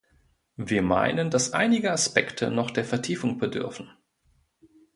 Wir meinen, dass einige Aspekte noch der Vertiefung bedürfen.